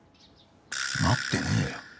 待ってねえよ。